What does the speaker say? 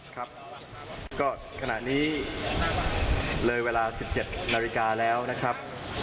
ครับก็ขณะนี้เลยเวลา๑๗นาฬิกาแล้วนะครับ